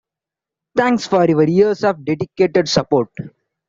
Thanks for your years of dedicated support.